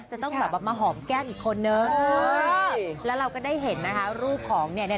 จะต้องแบบมาหอมแก้มอีกคนนึงเออแล้วเราก็ได้เห็นนะคะรูปของเนี่ยเนี่ย